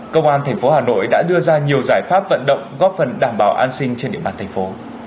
công an tp hà nội đã đưa ra nhiều giải pháp vận động góp phần đảm bảo an sinh trên địa bàn thành phố